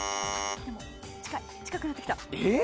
近くなってきた。